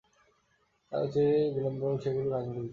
তাই অচিরেই হোক, বিলম্বেই হোক সেগুলি ভাঙবেই।